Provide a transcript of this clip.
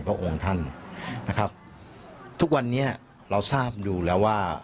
พระองค์ท่านนะครับทุกวันนี้เราทราบอยู่แล้วว่า